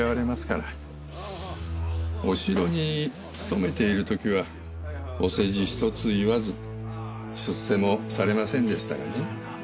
お城に勤めている時はお世辞一つ言わず出世もされませんでしたがね。